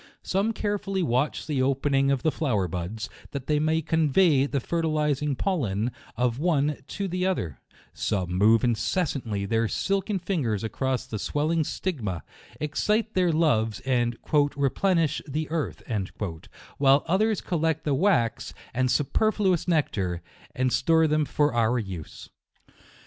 Some carefully watch the opening of the flow er buds, that they may convey the fertilizing pollen of one to the other ; some move inces santly their silken fingers across the swelling stigma, excite their loves, and " replenish the earth," while others collect the wax, and su perfluous nectar, and store them for our use.